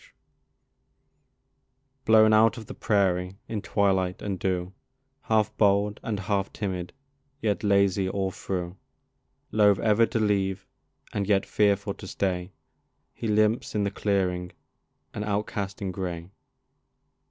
COYOTE Blown out of the prairie in twilight and dew, Half bold and half timid, yet lazy all through; Loath ever to leave, and yet fearful to stay, He limps in the clearing, an outcast in gray.